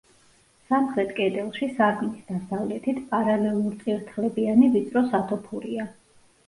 სამხრეთ კედელში, სარკმლის დასავლეთით, პარალელურწირთხლებიანი ვიწრო სათოფურია.